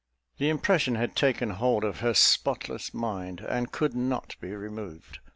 The impression had taken hold of her spotless mind, and could not be removed.